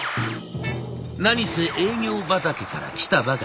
何せ営業畑から来たばかり。